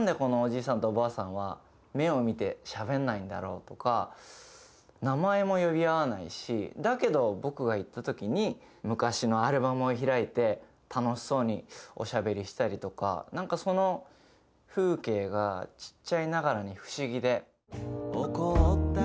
んでこのおじいさんとおばあさんは目を見てしゃべんないんだろうとか名前も呼び合わないしだけど僕が行った時に昔のアルバムを開いて楽しそうにおしゃべりしたりとかなんかその風景がちっちゃいながらに不思議で。